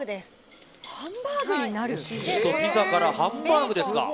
お寿司とピザからハンバーグですか。